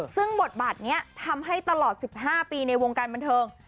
ซึ่งบทบาทนี้ทำให้ตลอด๑๕ปีในวงการบันเทิง